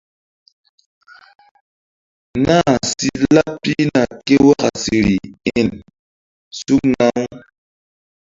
Nah si laɓ pihna ke waka siri-in sukna-aw.